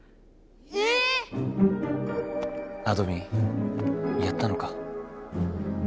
え⁉あどミンやったのか。